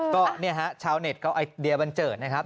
ก็เนี่ยฮะชาวเน็ตก็ไอเดียบันเจิดนะครับ